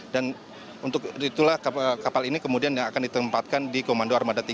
dan itulah kapal ini kemudian yang akan ditempatkan di komando armada tiga